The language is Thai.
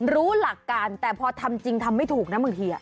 รู้หลักการแต่พอทำจริงทำไม่ถูกนะบางที